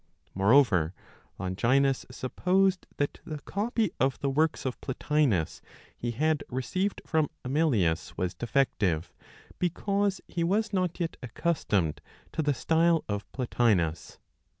Moreover, Longinus supposed that the copy of the works of Plotinos he had received from Amelius was defective, because he was not yet accustomed to the style of Plotinos.